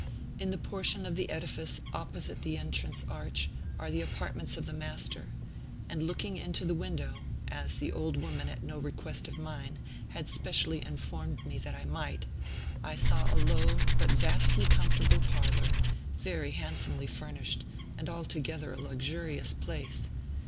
In the portion of the edifice opposite the entrance arch are the apartments of the Master; and looking into the window (as the old woman, at no request of mine, had specially informed me that I might), I saw a low, but vastly comfortable parlor, very handsomely furnished, and altogether a luxurious place.